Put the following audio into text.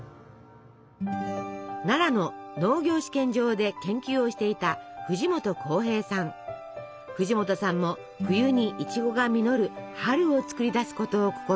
奈良の農業試験場で研究をしていた藤本さんも冬にいちごが実る「春」を作り出すことを試みます。